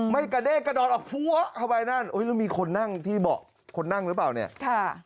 กระเด้กระดอนออกพัวเข้าไปนั่นแล้วมีคนนั่งที่เบาะคนนั่งหรือเปล่าเนี่ยค่ะ